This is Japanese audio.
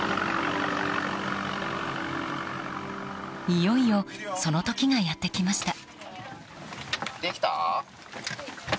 いよいよその時がやって来ました。